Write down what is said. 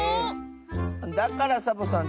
だからサボさん